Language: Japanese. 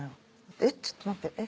えっちょっと待ってえ？